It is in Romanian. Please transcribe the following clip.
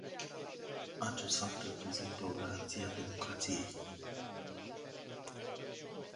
Acest fapt reprezintă o garanție a democrației.